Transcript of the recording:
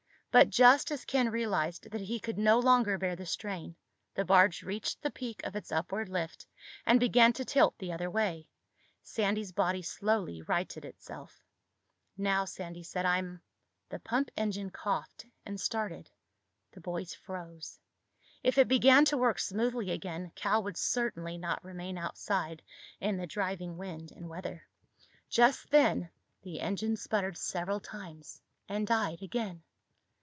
But just as Ken realized that he could no longer bear the strain, the barge reached the peak of its upward lift and began to tilt the other way. Sandy's body slowly righted itself. "Now," Sandy said, "I'm—" The pumping engine coughed and started. The boys froze. If it began to work smoothly again, Cal would certainly not remain outside in the driving wind and weather. Just then the engine sputtered several times and died again.